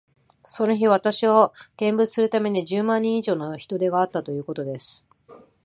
その日、私を見物するために、十万人以上の人出があったということです。